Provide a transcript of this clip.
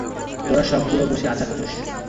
তোরা সবগুলো বসে আচার চুষ।